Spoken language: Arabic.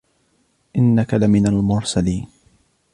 إِنَّكَ لَمِنَ الْمُرْسَلِينَ